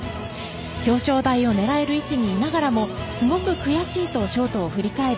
表彰台を狙える位置にいながらもすごく悔しいとショートを振り返り